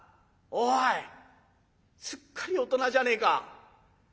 おいすっかり大人じゃねえか。